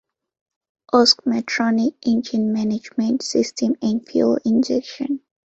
Bosch Motronic engine management system and fuel injection.